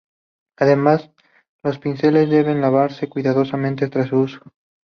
Además, los pinceles deben lavarse cuidadosamente tras su uso.